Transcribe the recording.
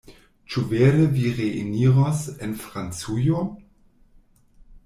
Ĉu vere vi reeniros en Francujon?